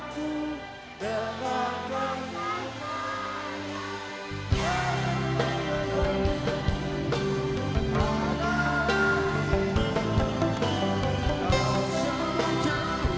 tuhan yang terhampa